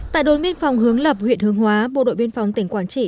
tại đồn biên phòng hướng lập huyện hương hóa bộ đội biên phòng tỉnh quảng trị